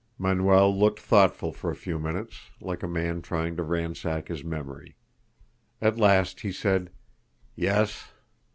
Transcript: Manuel looked thoughtful for a few minutes, like a man trying to ransack his memory. At last he said: "Yes."